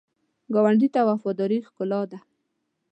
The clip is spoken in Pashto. ګاونډي ته وفاداري ښکلا ده